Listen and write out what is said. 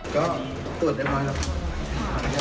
วิธีที่สุดของของหัวหน้า